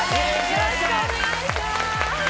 よろしくお願いします。